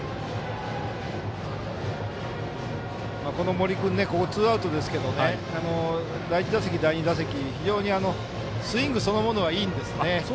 森君、ツーアウトですけど第１打席、第２打席非常にスイングそのものはいいんですね。